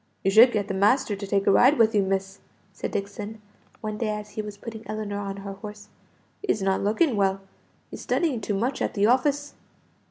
"You should get the master to take a ride with you, miss," said Dixon, one day as he was putting Ellinor on her horse. "He's not looking well, he's studying too much at the office."